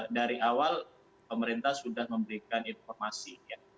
dari awal pemerintah sudah memberikan informasi